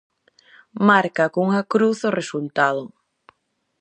Marca cunha cruz o resultado: